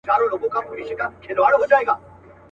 بخیل تندي ته مي زارۍ په اوښکو ولیکلې.